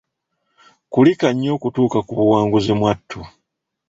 Kulika nnyo okutuuka ku buwanguzi mwattu!